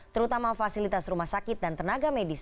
terutama fasilitas rumah sakit dan tenaga medis